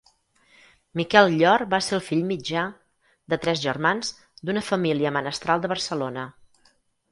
Miquel Llor va ser el fill mitjà, de tres germans, d'una família menestral de Barcelona.